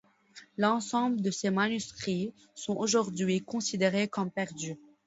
L'ensemble de ses manuscrits sont aujourd'hui considérés comme perdus.